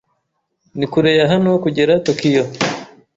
Ni kure ya hano kugera Tokiyo.